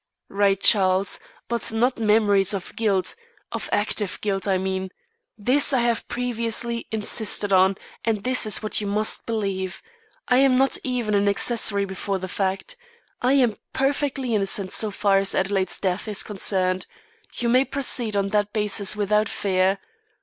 "Right, Charles; but not memories of guilt of active guilt, I mean. This I have previously insisted on, and this is what you must believe. I am not even an accessory before the fact. I am perfectly innocent so far as Adelaide's death is concerned. You may proceed on that basis without fear.